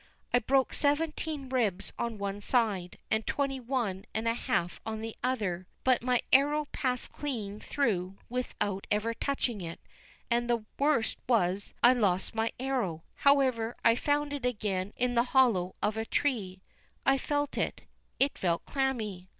I broke seventeen ribs on one side, and twenty one and a half on the other; but my arrow passed clean through without ever touching it, and the worst was I lost my arrow. However, I found it again in the hollow of a tree. I felt it; it felt clammy.